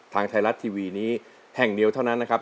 ทางไทยรัฐทีวีนี้แห่งเดียวเท่านั้นนะครับ